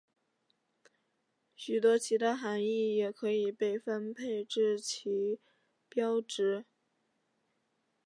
许多其他含意也可以被分配至旗标值。